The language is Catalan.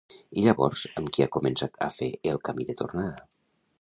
I llavors, amb qui ha començat a fer el camí de tornada?